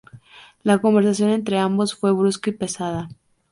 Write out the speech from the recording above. La conversación entre ambos fue brusca y pesada.